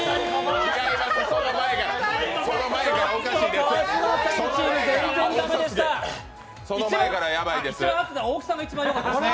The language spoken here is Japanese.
違います、その前からおかしいんです。